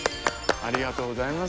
ありがとうございます。